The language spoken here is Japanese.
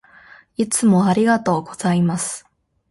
いつもありがとうございます。